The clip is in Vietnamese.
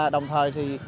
đồng thời thì